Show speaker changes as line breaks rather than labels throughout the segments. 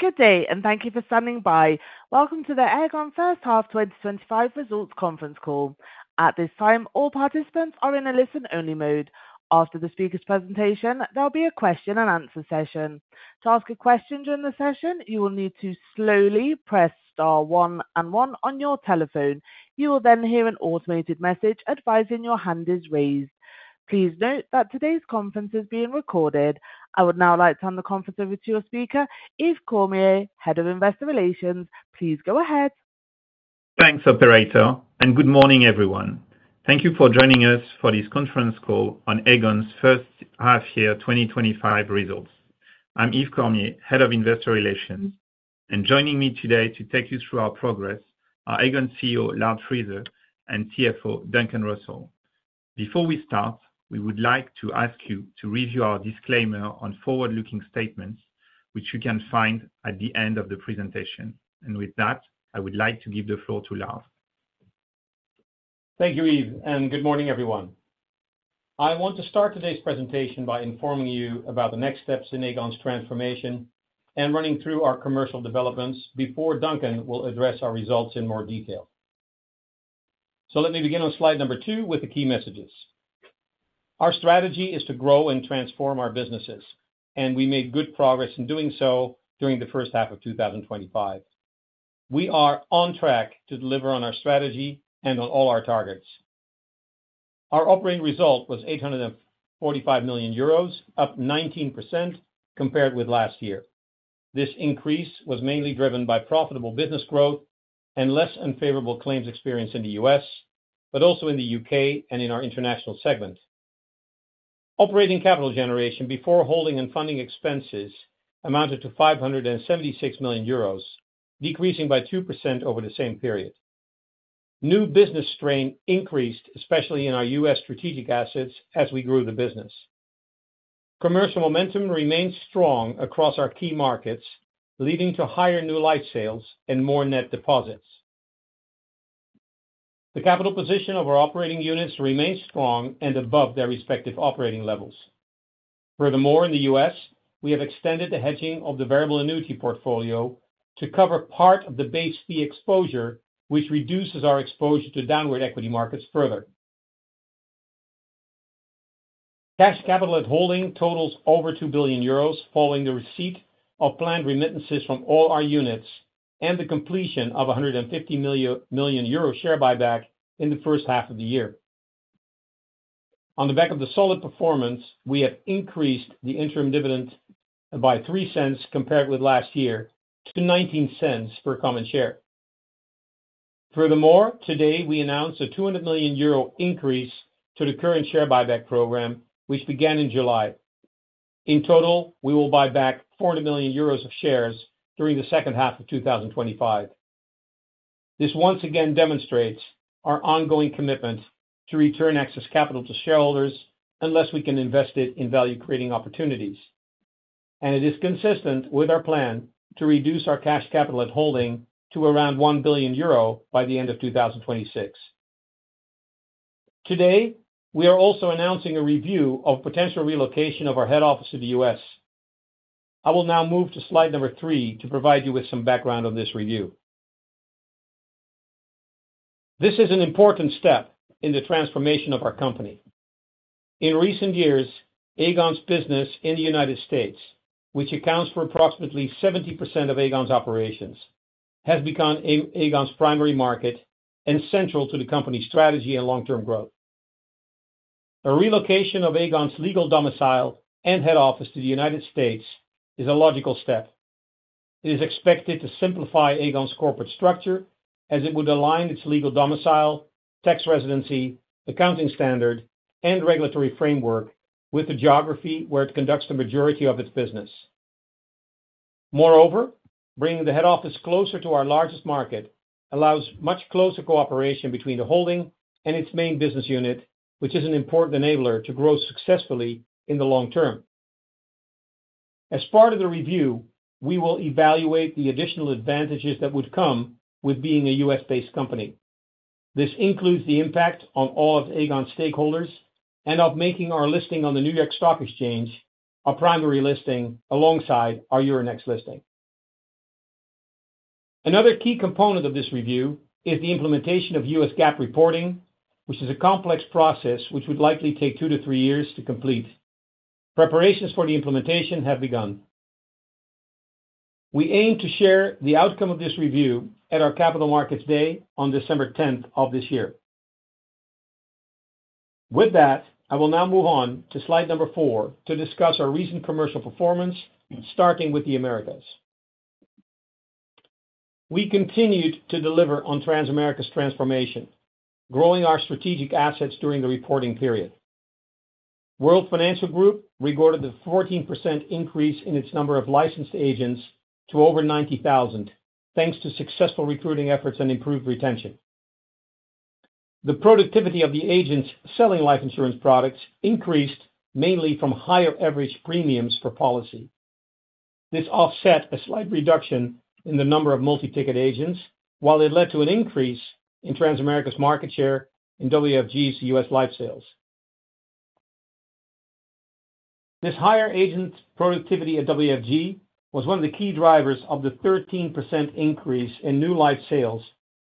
Good day, and thank you for standing by. Welcome to the Aegon First Half 2025 Results Conference Call. At this time, all participants are in a listen-only mode. After the speaker's presentation, there will be a question and answer session. To ask a question during the session, you will need to slowly press star one and one on your telephone. You will then hear an automated message advising your hand is raised. Please note that today's conference is being recorded. I would now like to hand the conference over to your speaker, Yves Cormier, Head of Investor Relations. Please go ahead.
Thanks, Operator, and good morning, everyone. Thank you for joining us for this conference call on Aegon's First Half Year 2025 Results. I'm Yves Cormier, Head of Investor Relations, and joining me today to take you through our progress are Aegon CEO Lard Friese and CFO Duncan Russell. Before we start, we would like to ask you to review our disclaimer on forward-looking statements, which you can find at the end of the presentation. With that, I would like to give the floor to Lard.
Thank you, Yves, and good morning, everyone. I want to start today's presentation by informing you about the next steps in Aegon's transformation and running through our commercial developments before Duncan will address our results in more detail. Let me begin on slide number two with the key messages. Our strategy is to grow and transform our businesses, and we made good progress in doing so during the first half of 2025. We are on track to deliver on our strategy and on all our targets. Our operating result was 845 million euros, up 19% compared with last year. This increase was mainly driven by profitable business growth and less unfavorable claims experience in the U.S., but also in the U.K. and in our international segment. Operating capital generation before holding and funding expenses amounted to 576 million euros, decreasing by 2% over the same period. New business strain increased, especially in our U.S. strategic assets as we grew the business. Commercial momentum remains strong across our key markets, leading to higher new life sales and more net deposits. The capital position of our operating units remains strong and above their respective operating levels. Furthermore, in the U.S., we have extended the hedging of the variable annuity portfolio to cover part of the base fee exposure, which reduces our exposure to downward equity markets further. Cash capital at holding totals over 2 billion euros, following the receipt of planned remittances from all our units and the completion of a 150 million euro share buyback in the first half of the year. On the back of the solid performance, we have increased the interim dividend by 0.03 compared with last year to 0.19 per common share. Furthermore, today we announced a 200 million euro increase to the current share buyback program, which began in July. In total, we will buy back 400 million euros of shares during the second half of 2025. This once again demonstrates our ongoing commitment to return excess capital to shareholders unless we can invest it in value-creating opportunities. It is consistent with our plan to reduce our cash capital at holding to around 1 billion euro by the end of 2026. Today, we are also announcing a review of a potential relocation of our head office to the U.S. I will now move to slide number three to provide you with some background on this review. This is an important step in the transformation of our company. In recent years, Aegon's business in the United States, which accounts for approximately 70% of Aegon's operations, has become Aegon's primary market and central to the company's strategy and long-term growth. A relocation of Aegon's legal domicile and head office to the United States is a logical step. It is expected to simplify Aegon's corporate structure, as it would align its legal domicile, tax residency, accounting standard, and regulatory framework with the geography where it conducts the majority of its business. Moreover, bringing the head office closer to our largest market allows much closer cooperation between the holding and its main business unit, which is an important enabler to grow successfully in the long term. As part of the review, we will evaluate the additional advantages that would come with being a U.S.-based company. This includes the impact on all of Aegon's stakeholders and of making our listing on the New York Stock Exchange, our primary listing alongside our Euronext listing. Another key component of this review is the implementation of U.S. GAAP reporting, which is a complex process which would likely take two to three years to complete. Preparations for the implementation have begun. We aim to share the outcome of this review at our Capital Markets Day on December 10th of this year. With that, I will now move on to slide number four to discuss our recent commercial performance, starting with the Americas. We continued to deliver on Transamerica's transformation, growing our strategic assets during the reporting period. World Financial Group recorded a 14% increase in its number of licensed agents to over 90,000, thanks to successful recruiting efforts and improved retention. The productivity of the agents selling life insurance products increased mainly from higher average premiums per policy. This offset a slight reduction in the number of multi-ticket agents, while it led to an increase in Transamerica's market share in WFG's U.S. life sales. This higher agent productivity at WFG was one of the key drivers of the 13% increase in new life sales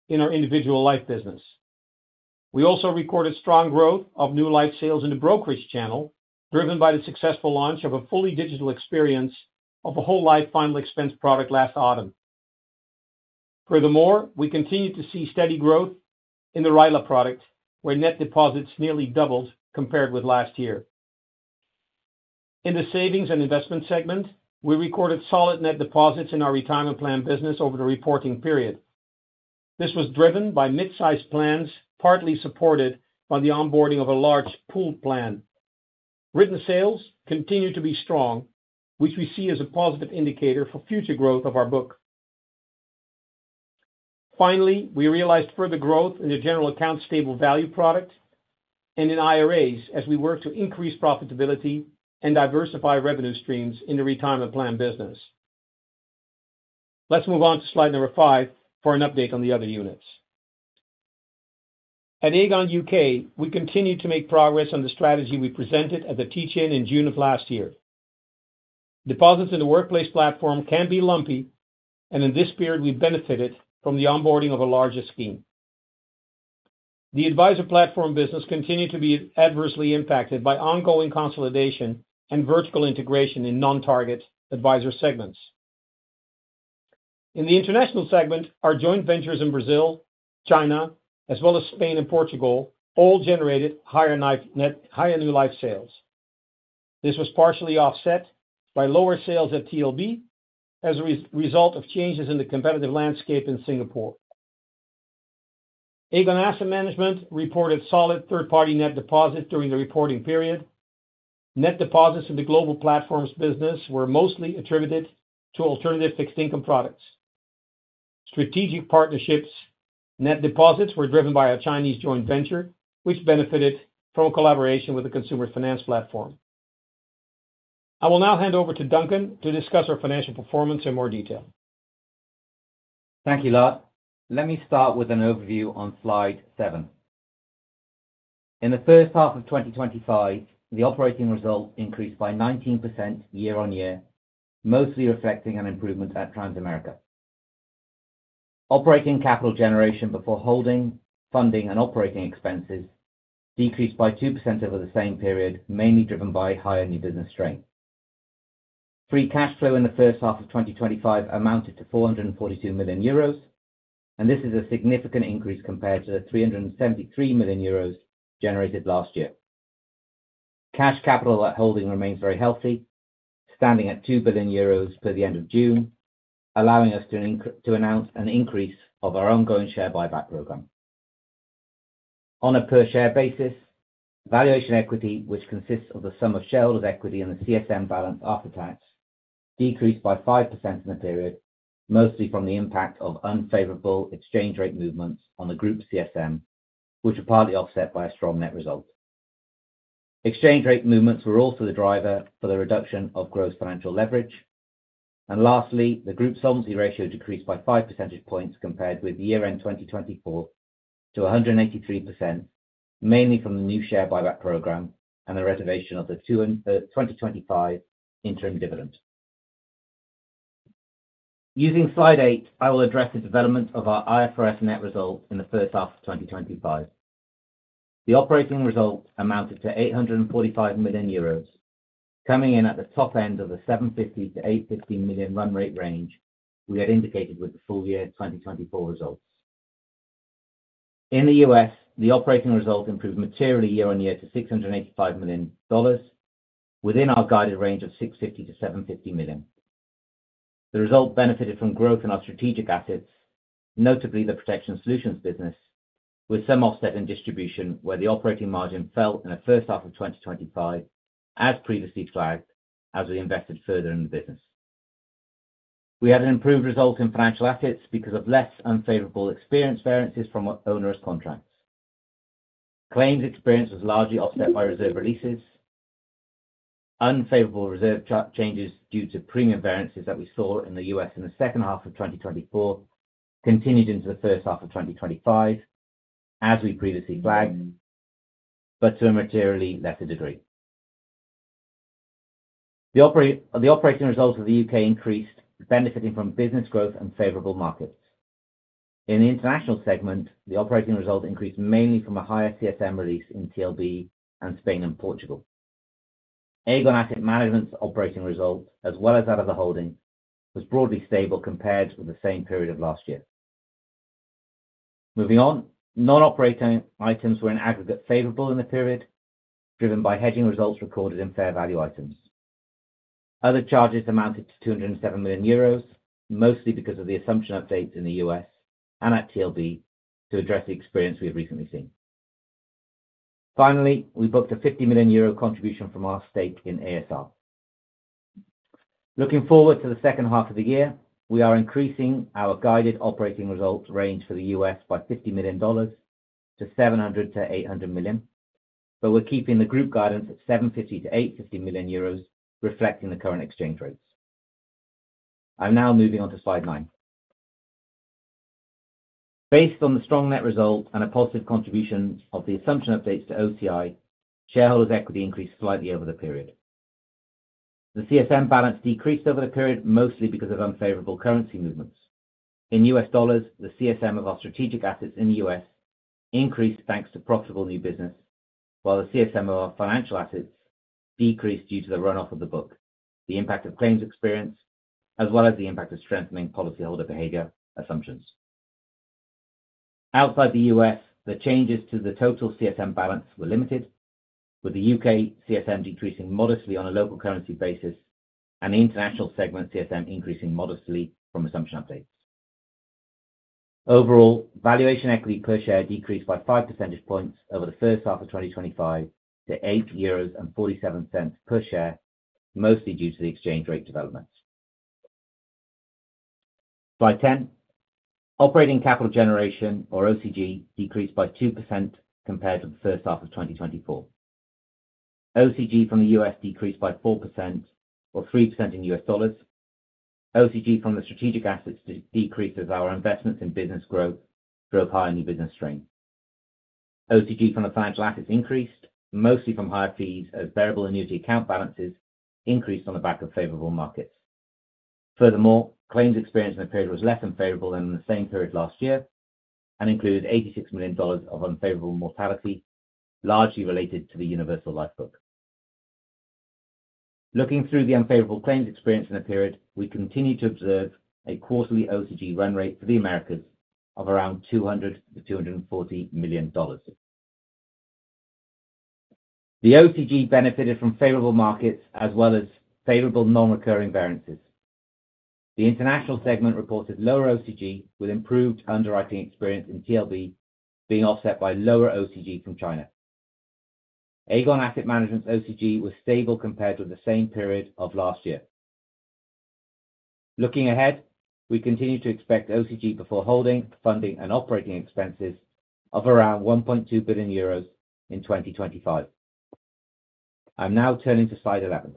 in our individual life business. We also recorded strong growth of new life sales in the brokerage channel, driven by the successful launch of a fully digital experience of the whole life final expense product last autumn. Furthermore, we continued to see steady growth in the RILA product, where net deposits nearly doubled compared with last year. In the savings & investments segment, we recorded solid net deposits in our retirement plan business over the reporting period. This was driven by mid-sized plans, partly supported by the onboarding of a large pooled plan. Written sales continue to be strong, which we see as a positive indicator for future growth of our book. Finally, we realized further growth in the general account stable value product and in IRAs as we work to increase profitability and diversify revenue streams in the retirement plan business. Let's move on to slide number five for an update on the other units. At Aegon U.K., we continued to make progress on the strategy we presented at the teach-in in June of last year. Deposits in the workplace platform can be lumpy, and in this period, we benefited from the onboarding of a larger scheme. The advisor platform business continued to be adversely impacted by ongoing consolidation and vertical integration in non-target advisor segments. In the international segment, our joint ventures in Brazil, China, as well as Spain and Portugal all generated higher new life sales. This was partially offset by lower sales at TLB as a result of changes in the competitive landscape in Singapore. Aegon Asset Management reported solid third-party net deposits during the reporting period. Net deposits in the global platforms business were mostly attributed to alternative fixed-income products. Strategic partnerships net deposits were driven by a Chinese joint venture, which benefited from collaboration with the consumer finance platform. I will now hand over to Duncan to discuss our financial performance in more detail.
Thank you, Lard. Let me start with an overview on slide seven. In the first half of 2025, the operating result increased by 19% year on year, mostly reflecting an improvement at Transamerica. Operating capital generation before holding, funding, and operating expenses decreased by 2% over the same period, mainly driven by higher new business strain. Free cash flow in the first half of 2025 amounted to 442 million euros, and this is a significant increase compared to the 373 million euros generated last year. Cash capital at holding remains very healthy, standing at 2 billion euros per the end of June, allowing us to announce an increase of our ongoing share buyback program. On a per-share basis, valuation equity, which consists of the sum of shareholder equity and the CSM balance after tax, decreased by 5% in the period, mostly from the impact of unfavorable exchange rate movements on the group CSM, which are partly offset by a strong net result. Exchange rate movements were also the driver for the reduction of gross financial leverage. Lastly, the group solvency ratio decreased by 5% compared with year-end 2024 to 183%, mainly from the new share buyback program and a reservation of the 2025 interim dividend. Using slide eight, I will address the development of our IFRS net result in the first half of 2025. The operating result amounted to 845 million euros, coming in at the top end of the 750 million-850 million run rate range we had indicated with the full year 2024 result. In the U.S., the operating result improved materially year on year to $685 million, within our guided range of $650 million-$750 million. The result benefited from growth in our strategic assets, notably the Protection Solutions business, with some offset in distribution where the operating margin fell in the first half of 2025, as previously flagged as we invested further in the business. We had an improved result in financial assets because of less unfavorable experience variances from our onerous contracts. Claims experience was largely offset by reserve releases. Unfavorable reserve changes due to premium variances that we saw in the U.S. in the second half of 2024 continued into the first half of 2025, as we previously flagged, but to a materially lesser degree. The operating result for the U.K. increased, benefiting from business growth and favorable markets. In the international segment, the operating result increased mainly from a higher CSM release in TLB and Spain and Portugal. Aegon Asset Management's operating result, as well as that of the holding, was broadly stable compared with the same period of last year. Moving on, non-operating items were in aggregate favorable in the period, driven by hedging results recorded in fair value items. Other charges amounted to 207 million euros, mostly because of the assumption updates in the U.S. and at TLB to address the experience we have recently seen. Finally, we booked a 50 million euro contribution from our stake in AFR. Looking forward to the second half of the year, we are increasing our guided operating result range for the U.S. by $50 million to $700 million-$800 million, but we're keeping the group guidance at 750 million-850 million euros, reflecting the current exchange rates. I'm now moving on to slide nine. Based on the strong net result and a positive contribution of the assumption updates to OCI, shareholders' equity increased slightly over the period. The CSM balance decreased over the period, mostly because of unfavorable currency movements. In U.S. dollars, the CSM of our strategic assets in the U.S. increased thanks to profitable new business, while the CSM of our financial assets decreased due to the runoff of the book, the impact of claims experience, as well as the impact of strengthening policyholder behavior assumptions. Outside the U.S., the changes to the total CSM balance were limited, with the U.K. CSM decreasing modestly on a local currency basis and the international segment CSM increasing modestly from assumption updates. Overall, valuation equity per share decreased by 5% over the first half of 2025 to 8.47 euros per share, mostly due to the exchange rate development. Slide ten, operating capital generation or OCG decreased by 2% compared with the first half of 2024. OCG from the U.S. decreased by 4% or 3% in U.S. dollars. OCG from the strategic assets decreased as our investments in business growth drove higher new business strain. OCG from the financial assets increased, mostly from higher fees as variable annuity account balances increased on the back of favorable markets. Furthermore, claims experience in the period was less unfavorable than in the same period last year and included $86 million of unfavorable mortality, largely related to the universal life book. Looking through the unfavorable claims experience in the period, we continue to observe a quarterly OCG run rate for the Americas of around $200 million-$240 million. The OCG benefited from favorable markets as well as favorable non-recurring variances. The international segment reported lower OCG with improved underwriting experience in TLB being offset by lower OCG from China. Aegon Asset Management's OCG was stable compared with the same period of last year. Looking ahead, we continue to expect OCG before holding, funding, and operating expenses of around 1.2 billion euros in 2025. I'm now turning to slide 11.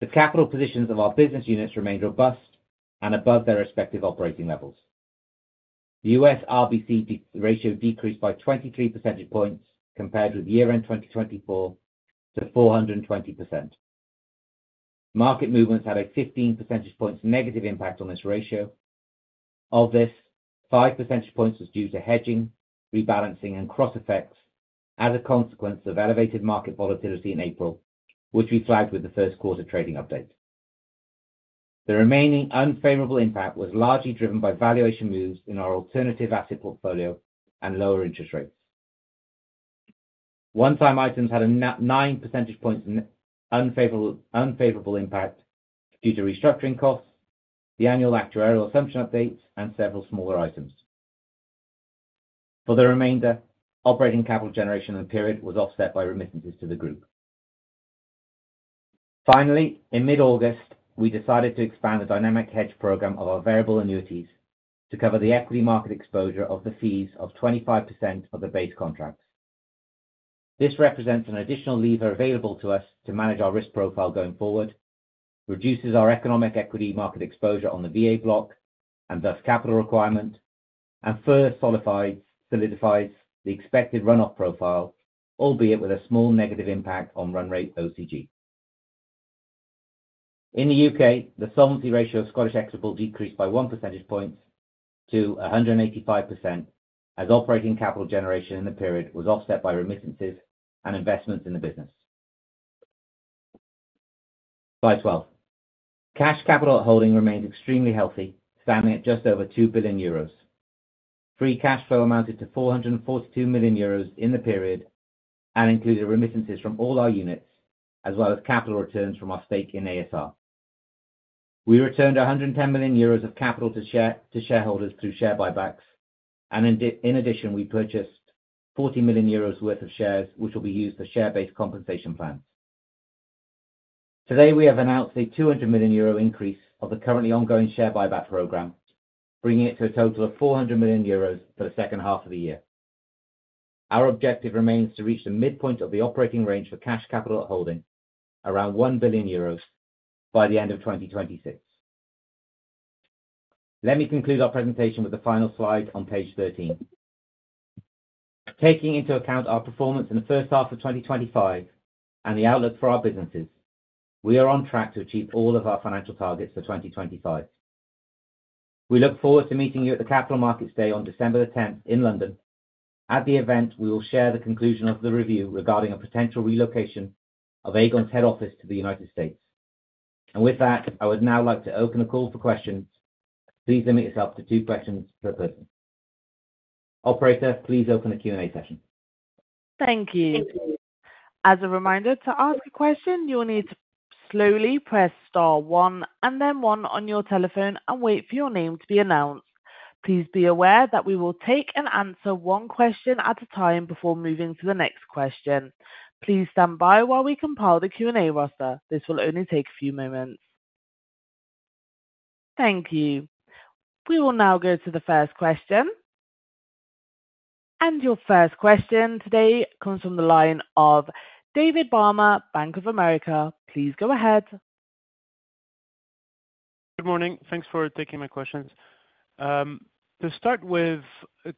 The capital positions of our business units remained robust and above their respective operating levels. The U.S. RBC ratio decreased by 23% compared with year-end 2024 to 420%. Market movements had a 15% negative impact on this ratio. Of this, 5% was due to hedging, rebalancing, and cross effects as a consequence of elevated market volatility in April, which we flagged with the first quarter trading update. The remaining unfavorable impact was largely driven by valuation moves in our alternative asset portfolio and lower interest rates. One-time items had a 9% unfavorable impact due to restructuring costs, the annual actuarial assumption updates, and several smaller items. For the remainder, operating capital generation in the period was offset by remittances to the group. Finally, in mid-August, we decided to expand the dynamic hedge program of our variable annuities to cover the equity market exposure of the fees of 25% of the base contract. This represents an additional lever available to us to manage our risk profile going forward, reduces our economic equity market exposure on the VA block and thus capital requirement, and further solidifies the expected runoff profile, albeit with a small negative impact on run rate OCG. In the U.K., the Solvency ratio of Scottish Equitable decreased by 1% to 185% as operating capital generation in the period was offset by remittances and investments in the business. Slide 12. Cash Capital at Holding remains extremely healthy, standing at just over 2 billion euros. Free cash flow amounted to 442 million euros in the period and included remittances from all our units, as well as capital returns from our stake in ASR. We returned 110 million euros of capital to shareholders through share buybacks, and in addition, we purchased 40 million euros worth of shares, which will be used for share-based compensation plans. Today, we have announced a 200 million euro increase of the currently ongoing share buyback program, bringing it to a total of 400 million euros for the second half of the year. Our objective remains to reach the midpoint of the operating range for cash capital at holding, around 1 billion euros, by the end of 2026. Let me conclude our presentation with the final slide on page 13. Taking into account our performance in the first half of 2025 and the outlook for our businesses, we are on track to achieve all of our financial targets for 2025. We look forward to meeting you at the Capital Markets Day on December 10th in London. At the event, we will share the conclusion of the review regarding a potential relocation of Aegon's head office to the United States. With that, I would now like to open the call for questions. Please limit yourself to two questions per person. Operator, please open the Q&A session.
Thank you. As a reminder, to ask a question, you will need to slowly press star one and then one on your telephone and wait for your name to be announced. Please be aware that we will take and answer one question at a time before moving to the next question. Please stand by while we compile the Q&A roster. This will only take a few moments. Thank you. We will now go to the first question. Your first question today comes from the line of David Barma, Bank of America. Please go ahead.
Good morning. Thanks for taking my questions. To start with,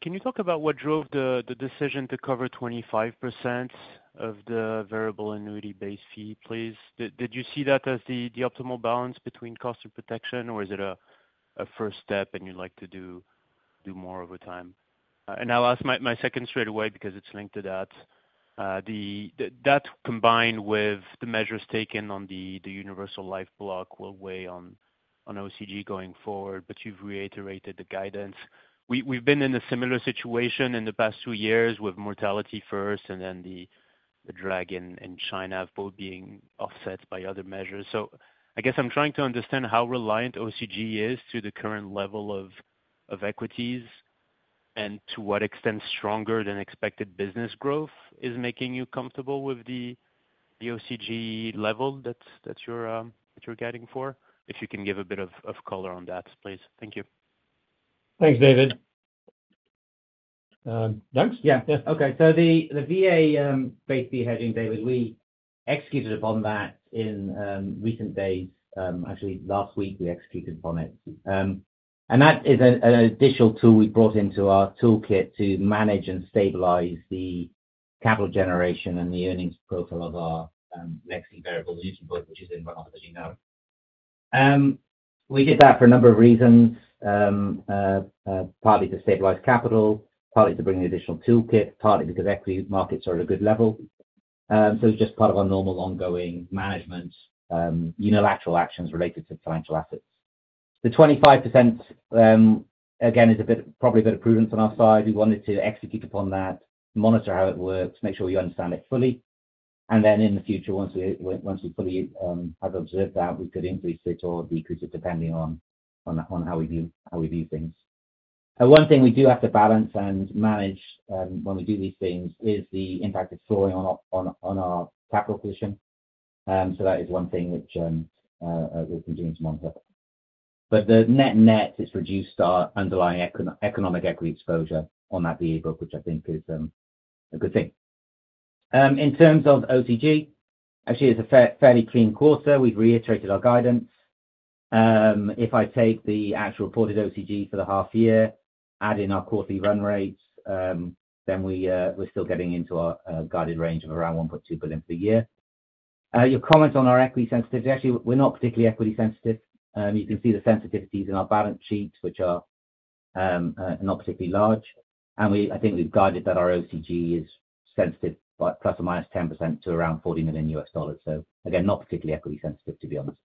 can you talk about what drove the decision to cover 25% of the variable annuity base fee, please? Did you see that as the optimal balance between cost and protection, or is it a first step and you'd like to do more over time? I'll ask my second straight away because it's linked to that. That combined with the measures taken on the Universal Life block will weigh on OCG going forward, but you've reiterated the guidance. We've been in a similar situation in the past two years with mortality first and then the drag in China, both being offset by other measures. I guess I'm trying to understand how reliant OCG is to the current level of equities and to what extent stronger than expected business growth is making you comfortable with the OCG level that you're guiding for. If you can give a bit of color on that, please. Thank you.
Thanks, David. Dun?
Yeah. Okay. The VA base fee hedging, David, we executed upon that in recent days. Actually, last week we executed upon it. That is an additional tool we brought into our toolkit to manage and stabilize the capital generation and the earnings profile of our using our position. We did that for a number of reasons, partly to stabilize capital, partly to bring an additional toolkit, partly because equity markets are at a good level. It is just part of our normal ongoing management unilateral actions related to financial assets. The 25% again is probably a bit of prudence on our side. We wanted to execute upon that, monitor how it works, make sure you understand it fully. In the future, once we fully have observed that, we could increase it or decrease it depending on how we view things. One thing we do have to balance and manage when we do these things is the impact it is throwing on our capital position. That is one thing that we have been doing to monitor. The net net, it has reduced our underlying economic equity exposure on that vehicle, which I think is a good thing. In terms of OCG, actually, it is a fairly clean quarter. We have reiterated our guidance. If I take the actual reported OCG for the half year, add in our quarterly run rates, then we are still getting into our guided range of around $1.2 billion per year. Your comment on our equity sensitivity, actually, we are not particularly equity sensitive. You can see the sensitivities in our balance sheets, which are not particularly large. I think we have guided that our OCG is sensitive by ±10% to around $40 million. Not particularly equity sensitive, to be honest.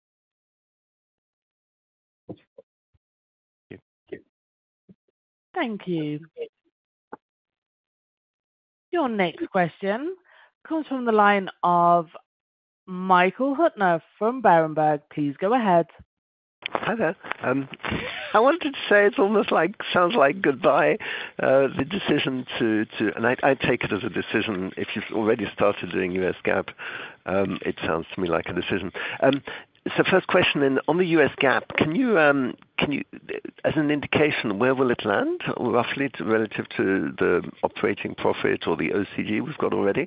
Thank you. Your next question comes from the line of Michael Huttner from Berenberg. Please go ahead.
Hi there. I wanted to say it almost sounds like goodbye. The decision to, and I take it as a decision if you've already started doing U.S. GAAP, it sounds to me like a decision. First question on the U.S. GAAP, can you, as an indication, where will it land roughly relative to the operating profit or the OCG we've got already?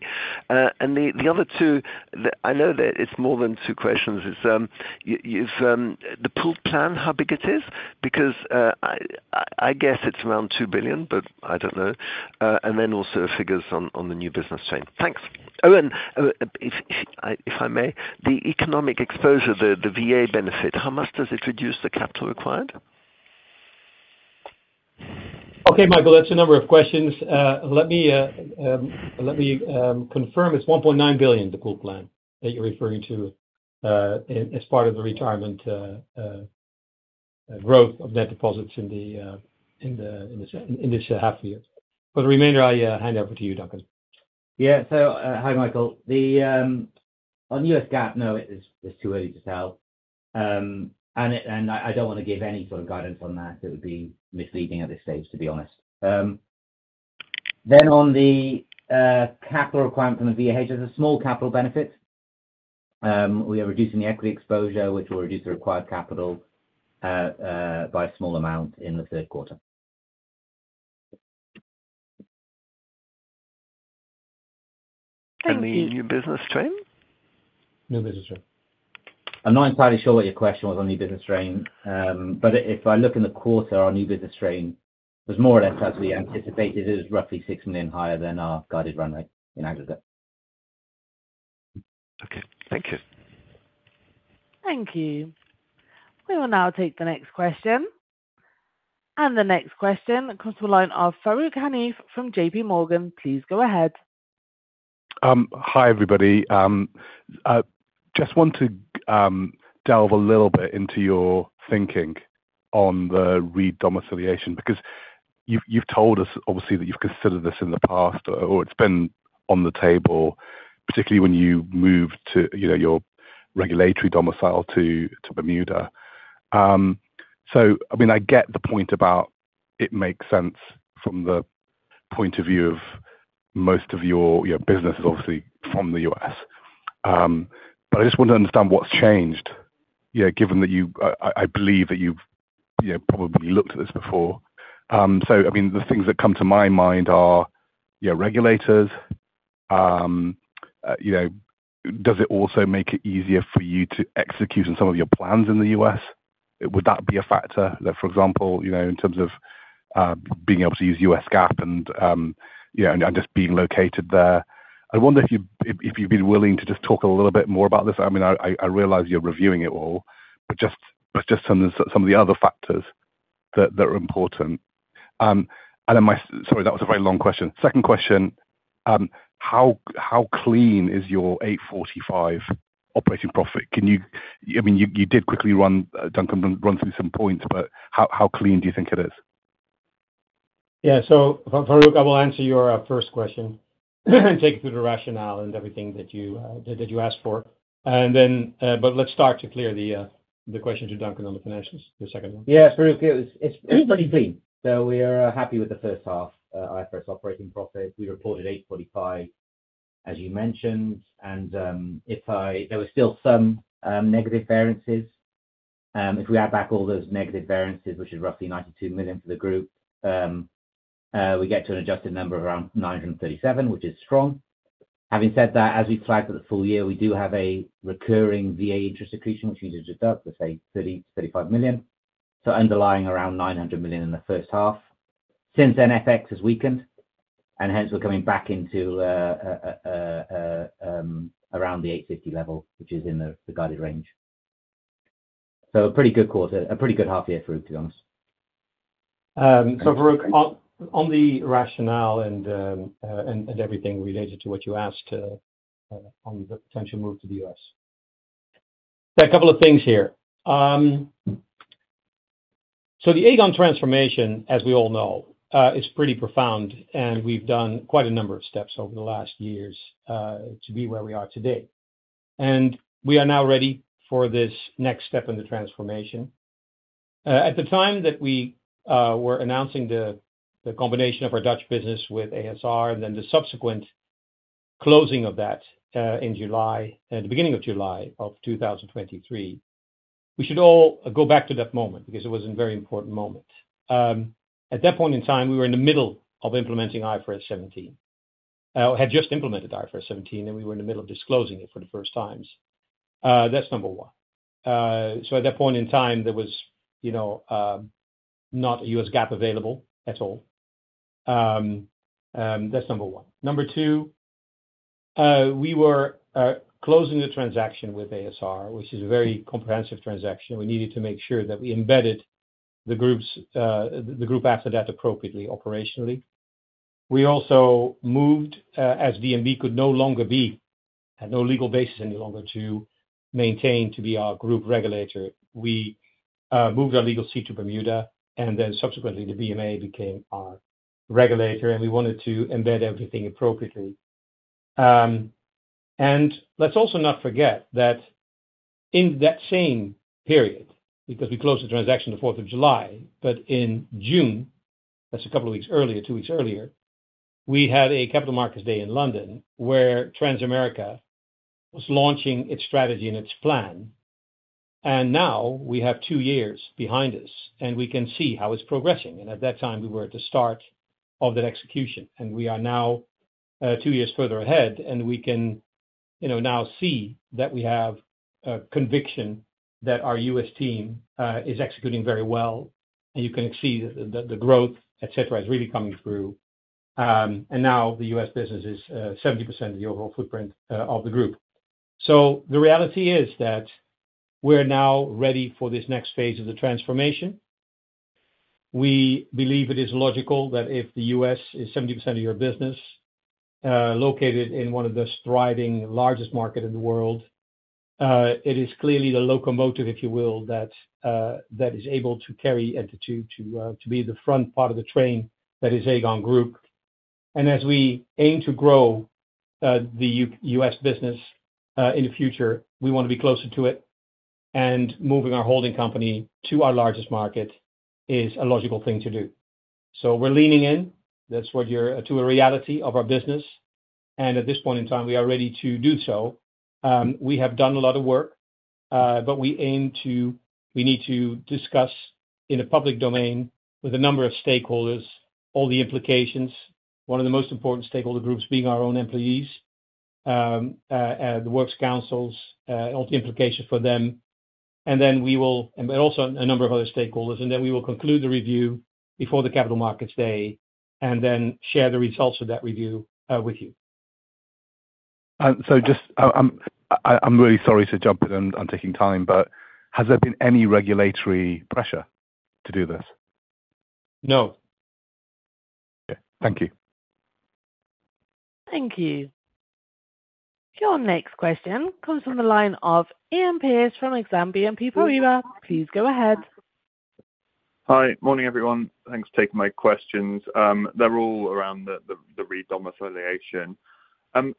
The other two, I know that it's more than two questions. It's the pooled plan, how big it is, because I guess it's around $2 billion, but I don't know. Also, figures on the new business stream. Thanks. Oh, and if I may, the economic exposure, the VA benefit, how much does it reduce the capital required?
Okay, Michael, that's a number of questions. Let me confirm it's $1.9 billion, the pooled plan that you're referring to as part of the retirement growth of net deposits in this half year. For the remainder, I hand over to you, Duncan.
Yeah, hi Michael. On U.S. GAAP, no, it's too early to tell. I don't want to give any sort of guidance on that. It would be misleading at this stage, to be honest. On the capital requirement from the [VA], there's a small capital benefit. We are reducing the equity exposure, which will reduce the required capital by a small amount in the third quarter.
Thank you.
The new business stream?
I'm not entirely sure what your question was on new business stream, but if I look in the quarter, our new business stream was more or less as we anticipated. It is roughly 6 million higher than our guided run rate in aggregate.
Okay, thank you.
Thank you. We will now take the next question. The next question comes to a line of Farooq Hanif from JPMorgan. Please go ahead.
Hi everybody. I just want to delve a little bit into your thinking on the re-domiciliation because you've told us obviously that you've considered this in the past or it's been on the table, particularly when you moved your regulatory domicile to Bermuda. I get the point about it makes sense from the point of view of most of your business is obviously from the U.S. I just want to understand what's changed, given that you, I believe that you've probably looked at this before. The things that come to my mind are regulators. Does it also make it easier for you to execute on some of your plans in the U.S.? Would that be a factor? For example, in terms of being able to use U.S. GAAP and just being located there. I wonder if you'd be willing to just talk a little bit more about this. I realize you're reviewing it all, but just some of the other factors that are important. Sorry, that was a very long question. Second question, how clean is your 845 million operating profit? You did quickly run, Duncan, run through some points, but how clean do you think it is?
Yeah, Farooq, I will answer your first question and take you through the rationale and everything that you asked for. Let's start to clear the question to Duncan on the financials, the second one.
Yeah, it's pretty clear. It's pretty clean. We are happy with the first half, our first operating profit. We reported 845 million, as you mentioned. If there were still some negative variances, if we add back all those negative variances, which is roughly 92 million for the group, we get to an adjusted number of around 937 million, which is strong. Having said that, as we flagged for the full year, we do have a recurring VA interest execution, which usually develops to say 30 million, 35 million. Underlying around 900 million in the first half. Since NFX has weakened, and hence we're coming back into around the 850 million level, which is in the guided range. A pretty good quarter, a pretty good half year for it, to be honest.
Farooq, on the rationale and everything related to what you asked on the potential move to the U.S., a couple of things here. The Aegon transformation, as we all know, is pretty profound, and we've done quite a number of steps over the last years to be where we are today. We are now ready for this next step in the transformation. At the time that we were announcing the combination of our Dutch business with ASR and then the subsequent closing of that in July, at the beginning of July 2023, we should all go back to that moment because it was a very important moment. At that point in time, we were in the middle of implementing IFRS 17. We had just implemented IFRS 17, and we were in the middle of disclosing it for the first time. That's number one. At that point in time, there was not a U.S. GAAP available at all. That's number one. Number two, we were closing the transaction with ASR, which is a very comprehensive transaction. We needed to make sure that we embedded the group's asset appropriately operationally. We also moved, as DNB could no longer be, had no legal basis any longer to maintain to be our group regulator. We moved our legal seat to Bermuda, and then subsequently the BMA became our regulator, and we wanted to embed everything appropriately. Let's also not forget that in that same period, because we closed the transaction the 4th of July, but in June, that's a couple of weeks earlier, two weeks earlier, we had a Capital Markets Day in London where Transamerica was launching its strategy and its plan. We have two years behind us, and we can see how it's progressing. At that time, we were at the start of that execution, and we are now two years further ahead, and we can now see that we have a conviction that our U.S. team is executing very well, and you can see that the growth, etc., is really coming through. Now the U.S. business is 70% of the overall footprint of the group. The reality is that we're now ready for this next phase of the transformation. We believe it is logical that if the U.S. is 70% of your business, located in one of the thriving largest markets in the world, it is clearly the locomotive, if you will, that is able to carry the entity to be the front part of the train that is Aegon Group. As we aim to grow the U.S. business in the future, we want to be closer to it, and moving our holding company to our largest market is a logical thing to do. We are leaning in, that's what you're to a reality of our business, and at this point in time, we are ready to do so. We have done a lot of work, but we aim to, we need to discuss in a public domain with a number of stakeholders, one of the most important stakeholder groups being our own employees, the works councils, all the implications for them. We will, and also a number of other stakeholders, and then we will conclude the review before the Capital Markets Day and then share the results of that review with you.
I'm really sorry to jump in on taking time, but has there been any regulatory pressure to do this?
No.
Okay, thank you.
Thank you. Your next question comes from the line of Iain Pearce from Exane BNP Paribas. Please go ahead.
Hi, morning everyone. Thanks for taking my questions. They're all around the re-domiciliation.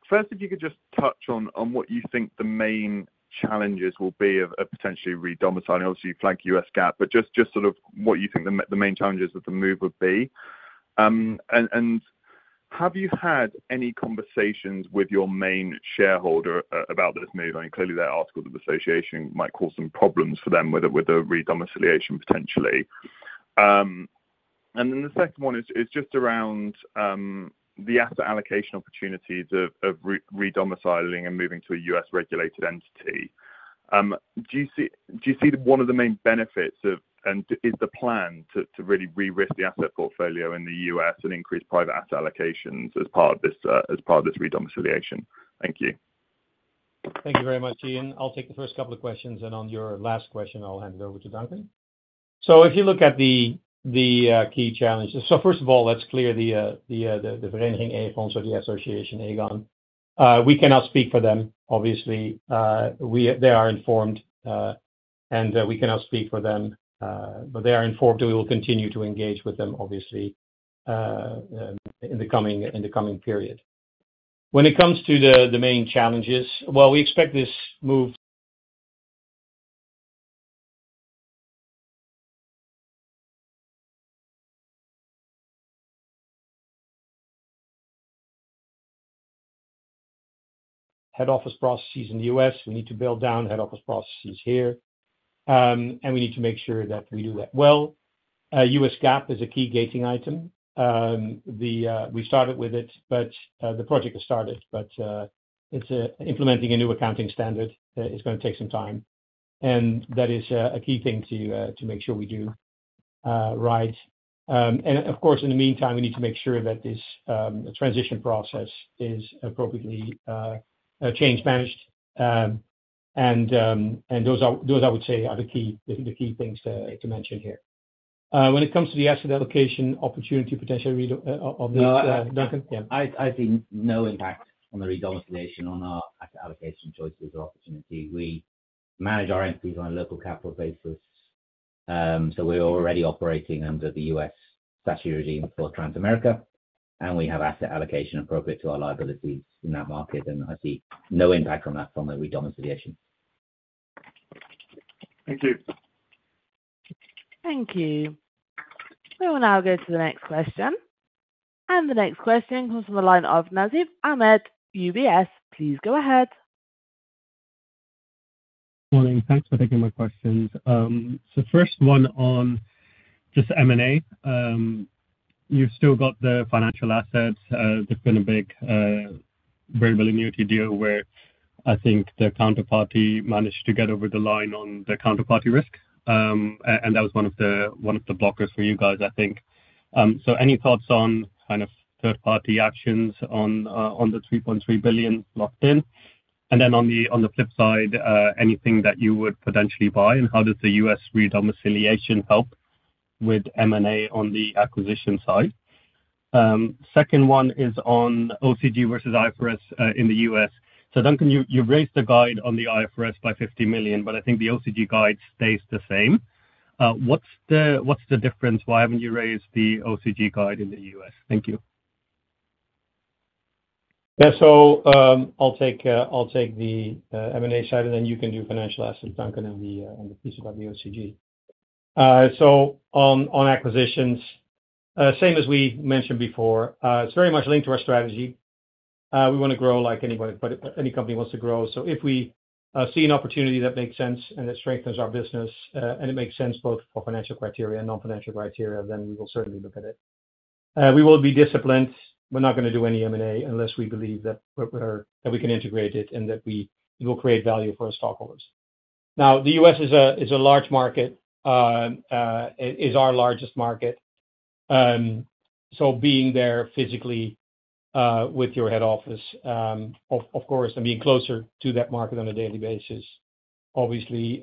First, if you could just touch on what you think the main challenges will be of potentially re-domiciling. Obviously, you flag U.S. GAAP, but just sort of what you think the main challenges with the move would be. Have you had any conversations with your main shareholder about this move? I mean, clearly that article of the association might cause some problems for them with the re-domiciliation potentially. The second one is just around the asset allocation opportunities of re-domiciling and moving to a U.S.-regulated entity. Do you see one of the main benefits of, and is the plan to really re-risk the asset portfolio in the U.S. and increase private asset allocations as part of this re-domiciliation? Thank you.
Thank you very much, Iain. I'll take the first couple of questions, and on your last question, I'll hand it over to Duncan. If you look at the key challenges, first of all, let's clear the [air for anything AFR or] the association of Aegon. We cannot speak for them, obviously. They are informed, and we cannot speak for them, but they are informed that we will continue to engage with them, obviously, in the coming period. When it comes to the main challenges, we expect this move. Head office processes in the United States, we need to build down head office processes here, and we need to make sure that we do that well. U.S. GAAP is a key gating item. We started with it, the project has started, but implementing a new accounting standard is going to take some time, and that is a key thing to make sure we do right. Of course, in the meantime, we need to make sure that this transition process is appropriately change managed, and those I would say are the key things to mention here. When it comes to the asset allocation opportunity, potentially Duncan.
I see no impact on the re-domiciliation on our asset allocation choices or opportunity. We manage our entities on a local capital basis. We're already operating under the U.S. statutory regime for Transamerica, and we have asset allocation appropriate to our liabilities in that market. I see no impact on that from the re-domiciliation.
Thank you.
Thank you. We will now go to the next question. The next question comes from the line of Nasib Ahmed, UBS. Please go ahead.
Morning. Thanks for taking my questions. First one on just M&A. You've still got the financial assets. There's been a big variable annuity deal where I think the counterparty managed to get over the line on the counterparty risk, and that was one of the blockers for you guys, I think. Any thoughts on kind of third-party actions on the 3.3 billion locked in? On the flip side, anything that you would potentially buy, and how does the U.S. re-domiciliation help with M&A on the acquisition side? Second one is on OCG versus IFRS in the U.S. Duncan, you've raised the guide on the IFRS by $50 million, but I think the OCG guide stays the same. What's the difference? Why haven't you raised the OCG guide in the U.S.? Thank you.
Yeah, I'll take the M&A side, and then you can do financial assets, Duncan, and the piece about the OCG. On acquisitions, same as we mentioned before, it's very much linked to our strategy. We want to grow like anybody, any company wants to grow. If we see an opportunity that makes sense and that strengthens our business, and it makes sense both for financial criteria and non-financial criteria, then we will certainly look at it. We will be disciplined. We're not going to do any M&A unless we believe that we can integrate it and that we will create value for our stockholders. The U.S. is a large market. It is our largest market. Being there physically with your head office, of course, and being closer to that market on a daily basis obviously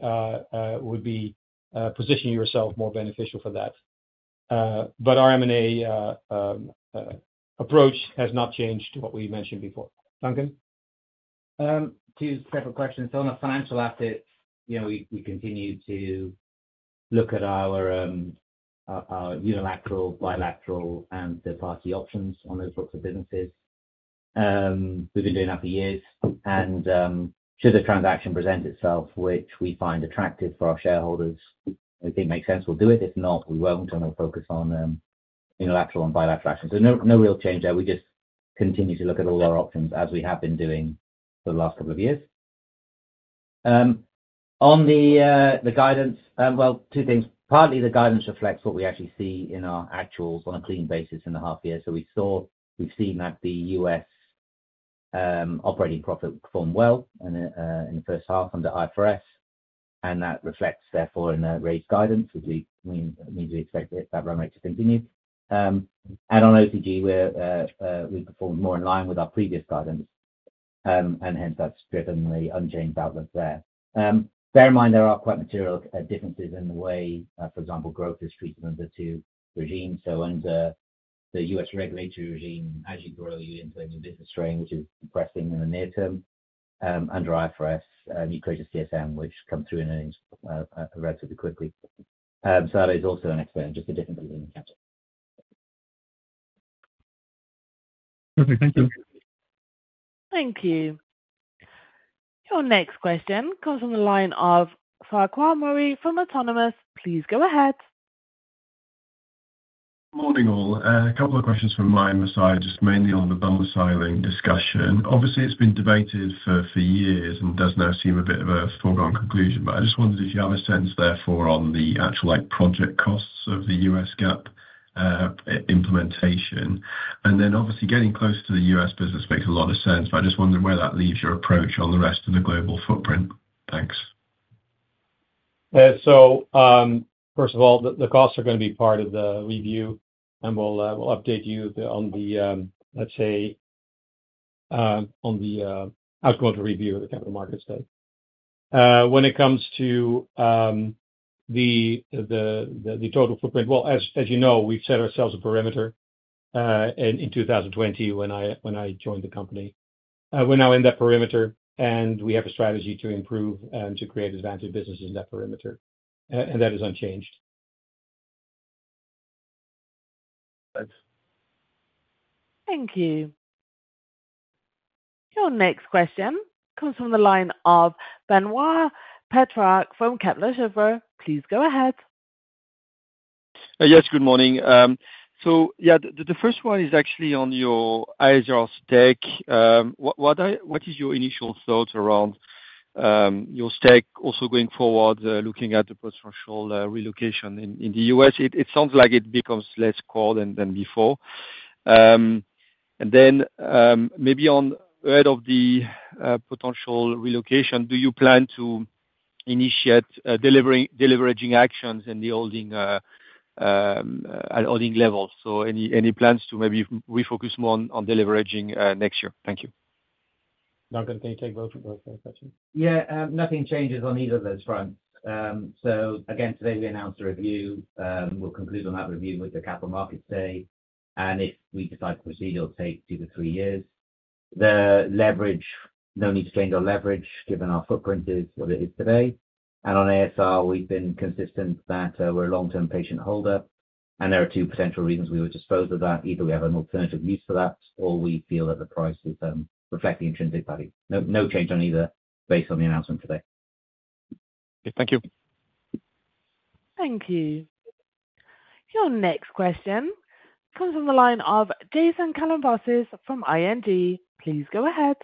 would be positioning yourself more beneficial for that. Our M&A approach has not changed to what we mentioned before. Duncan?
Two separate questions. On the financial assets, you know, we continue to look at our unilateral, bilateral, and third-party options on those sorts of businesses. We've been doing that for years. Should the transaction present itself, which we find attractive for our shareholders, if it makes sense, we'll do it. If not, we won't, and we'll focus on unilateral and bilateral actions. No real change there. We just continue to look at all our options as we have been doing for the last couple of years. On the guidance, two things. Partly, the guidance reflects what we actually see in our actuals on a clean basis in the half year. We've seen that the U.S. operating profit performed well in the first half under IFRS, and that reflects therefore in the raised guidance, which means we expect that run rate to continue. On OCG, we performed more in line with our previous guidance, and hence that's driven the unchanged outlook there. Bear in mind, there are quite material differences in the way, for example, growth is treated under the two regimes. Under the U.S. regulatory regime, as you grow, you improve your business stream, which is pressing in the near term. Under IFRS, you close your CSM, which comes through in earnings relatively quickly. That is also an experience, just a different unit in the country.
Perfect. Thank you.
Thank you. Your next question comes from the line of Farquhar Murray from Autonomous Research. Please go ahead.
Morning all. A couple of questions from mine aside, just mainly on the domiciling discussion. Obviously, it's been debated for years and does now seem a bit of a foregone conclusion, but I just wondered if you have a sense therefore on the actual project costs of the U.S. GAAP implementation. Obviously, getting closer to the U.S. business makes a lot of sense, but I just wonder where that leaves your approach on the rest of the global footprint. Thanks.
First of all, the costs are going to be part of the review, and we'll update you on the outcome of the review at the Capital Markets Day. When it comes to the total footprint, as you know, we've set ourselves a perimeter in 2020 when I joined the company. We're now in that perimeter, and we have a strategy to improve and to create advantaged businesses in that perimeter, and that is unchanged.
Thanks.
Thank you. Your next question comes from the line of Benoît Petrarque from Kepler Cheuvreux. Please go ahead.
Yes, good morning. The first one is actually on your ASR stack. What are your initial thoughts around your stack also going forward, looking at the potential relocation in the U.S.? It sounds like it becomes less core than before. Maybe on the potential relocation, do you plan to initiate delivering actions in the holding levels? Any plans to maybe refocus more on de-leveraging next year? Thank you.
Duncan, can you take both questions?
Nothing changes on either of those fronts. Today we announced a review. We'll conclude on that review with the Capital Markets Day, and if we decide to proceed, it'll take two to three years. The leverage, no need to change our leverage given our footprint is what it is today. On ASR, we've been consistent that we're a long-term patient holder, and there are two potential reasons we would dispose of that. Either we have an alternative use for that, or we feel that the price is reflecting intrinsic value. No change on either based on the announcement today.
Thank you.
Thank you. Your next question comes from the line of Jason Kalamboussis from ING. Please go ahead.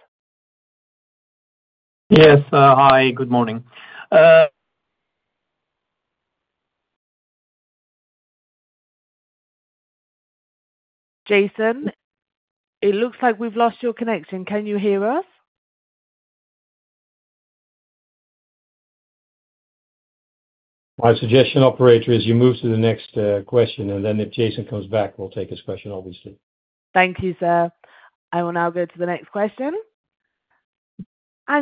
Yes, hi, good morning.
Jason, it looks like we've lost your connection. Can you hear us?
My suggestion, operator, is you move to the next question, and if Jason comes back, we'll take his question, obviously.
Thank you, sir. I will now go to the next question.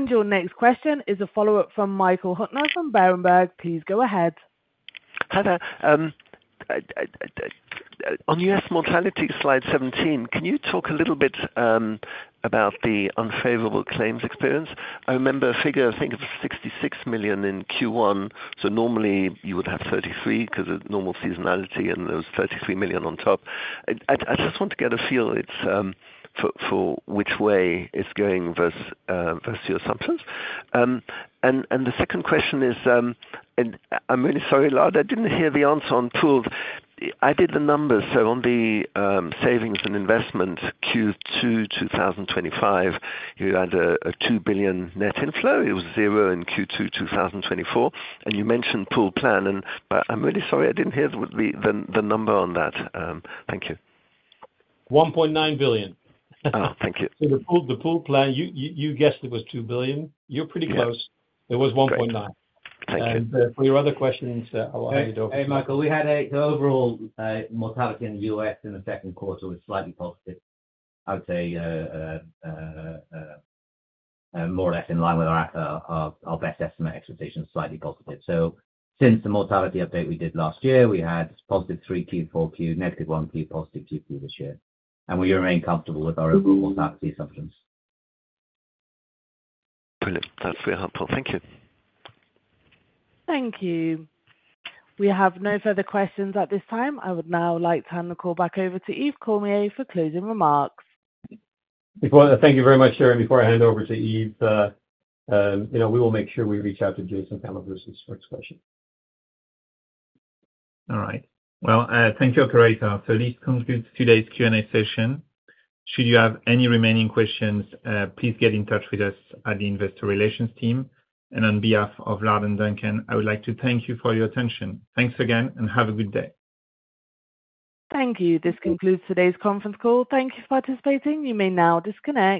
Your next question is a follow-up from Michael Huttner from Berenberg. Please go ahead.
On the U.S. mortality slide 17, can you talk a little bit about the unfavorable claims experience? I remember a figure, I think, of $66 million in Q1. Normally you would have $33 million because of normal seasonality and there was $33 million on top. I just want to get a feel for which way it's going versus your assumptions. The second question is, and I'm really sorry, Lard, I didn't hear the answer on pool. I did the numbers. On the savings & investments Q2 2025, you had a 2 billion net inflow. It was zero in Q2 2024. You mentioned pooled plan, but I'm really sorry, I didn't hear the number on that. Thank you.
1.9 billion.
Thank you.
The pooled plan, you guessed it was 2 billion. You're pretty close. It was 1.9 billion. For your other questions, I'll ask you to.
Hey Michael, we had overall mortality in the U.S. in the second quarter that was slightly positive. I'd say more or less in line with our best estimate expectations, slightly positive. Since the mortality update we did last year, we had positive 3Q, 4Q, negative 1Q, positive 2Q this year. We remain comfortable with our overall mortality assumptions.
Brilliant. That's very helpful. Thank you.
Thank you. We have no further questions at this time. I would now like to hand the call back over to Yves Cormier for closing remarks.
Thank you very much, Jeremy. Before I hand over to Yves, you know, we will make sure we reach out to Jason Kalamboussis for his question.
All right. Thank you, Operator. This concludes today's Q&A session. Should you have any remaining questions, please get in touch with us at the Investor Relations Team. On behalf of Lard and Duncan, I would like to thank you for your attention. Thanks again and have a good day.
Thank you. This concludes today's conference call. Thank you for participating. You may now disconnect.